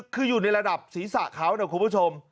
คืออยู่ในระดับศีรษะเขานะคุณผู้ชม